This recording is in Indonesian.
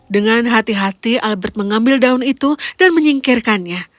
dengan hati hati albert mengambil daun itu dan menyingkirkannya